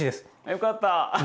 よかった！